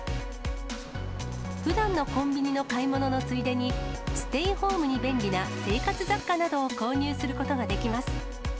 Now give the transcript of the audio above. ふだんのコンビニの買い物のついでに、ステイホームに便利な生活雑貨などを購入することができます。